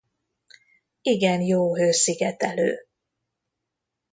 Igen jó hőszigetelő.